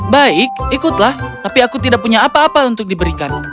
baik ikutlah tapi aku tidak punya apa apa untuk diberikan